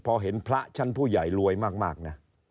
พอเห็นพระชั้นผู้ใหญ่รวยมากนะ